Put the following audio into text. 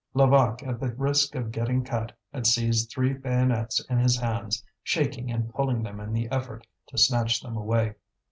Levaque, at the risk of getting cut, had seized three bayonets in his hands, shaking and pulling them in the effort to snatch them away.